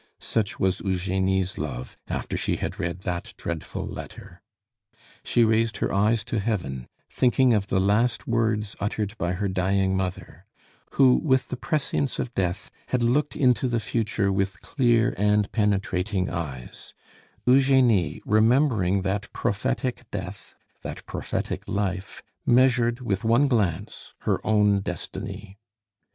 Such was Eugenie's love after she had read that dreadful letter. She raised her eyes to heaven, thinking of the last words uttered by her dying mother, who, with the prescience of death, had looked into the future with clear and penetrating eyes: Eugenie, remembering that prophetic death, that prophetic life, measured with one glance her own destiny.